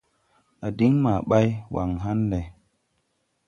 A diŋ maa ɓay, waŋ ha̧n lɛ wɛ.